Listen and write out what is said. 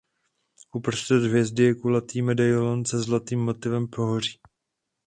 Uprostřed hvězdy je kulatý medailon se zlatým motivem pohoří.